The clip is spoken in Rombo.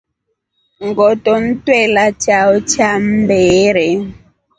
Ngoto ntwela chao cha mmbere.